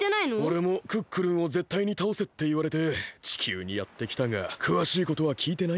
おれもクックルンをぜったいにたおせっていわれて地球にやってきたがくわしいことはきいてないんだ。